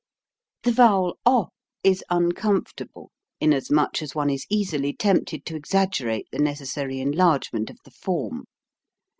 The vowel o is uncomfortable, inasmuch as one is easily tempted to exaggerate the neces sary enlargement of the form.